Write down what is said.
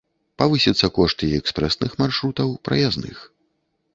Павысіцца кошт і экспрэсных маршрутаў, праязных.